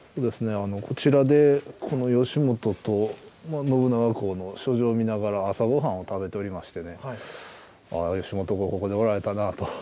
こちらでこの義元と信長公の書状を見ながら、朝ごはんを食べておりましてね、義元公、ここにおられたなと。